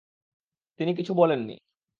তিনি কিছু বলেননি।